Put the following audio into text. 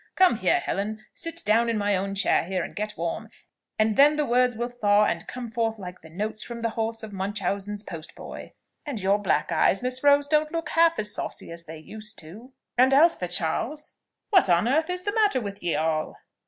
Come here, Helen; sit down in my own chair here, and get warm, and then the words will thaw and come forth like the notes from the horn of Munchausen's postboy. And your black eyes, Miss Rose, don't look half as saucy as they used do: and as for Charles, What, on earth, is the matter with ye all?"